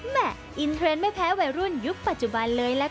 อินเทรนด์ไม่แพ้วัยรุ่นยุคปัจจุบันเลยล่ะค่ะ